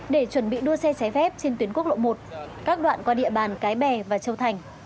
để chuẩn bị đua xe trái phép trên tuyến quốc lộ một các đoạn qua địa bàn cái bè và châu thành